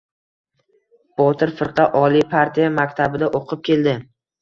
Botir firqa oliy partiya maktabida o‘qib keldi.